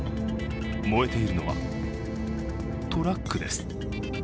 燃えているのは、トラックです。